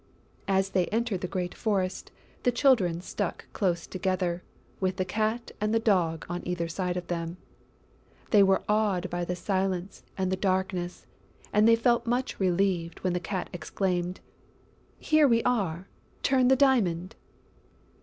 As they entered the great forest, the Children stuck close together, with the Cat and the Dog on either side of them. They were awed by the silence and the darkness and they felt much relieved when the Cat exclaimed: "Here we are! Turn the diamond!"